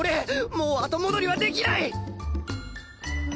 もう後戻りはできない！